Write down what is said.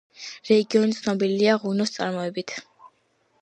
რეგიონი ცნობილია ღვინოს წარმოებით.